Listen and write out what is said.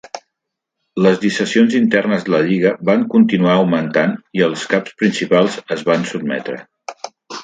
Les dissensions internes de la lliga van continuar augmentant i els caps principals es van sotmetre.